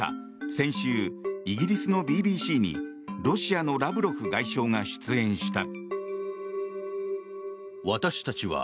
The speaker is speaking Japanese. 先週、イギリスのＢＢＣにロシアのラブロフ外相が出演した。